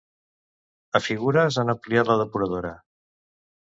A Figures han ampliat la depuradora.